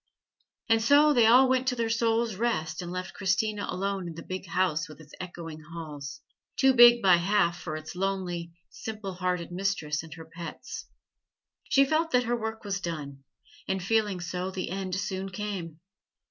And so they all went to their soul's rest and left Christina alone in the big house with its echoing halls too big by half for its lonely, simple hearted mistress and her pets. She felt that her work was done, and feeling so, the end soon came.